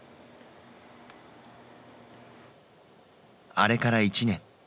あれから１年。